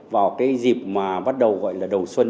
vào cái dịp mà bắt đầu gọi là đầu xuân